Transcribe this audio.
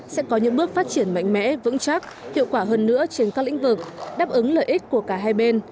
sẽ có những bước phát triển mạnh mẽ vững chắc hiệu quả hơn nữa trên các lĩnh vực đáp ứng lợi ích của cả hai bên